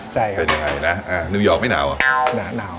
ใช่ครับเป็นยังไงนะนิวยอร์กไม่หนาวเหรอหนาวหนาว